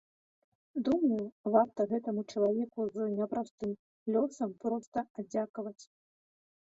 Думаю, варта гэтаму чалавеку з няпростым лёсам проста аддзякаваць.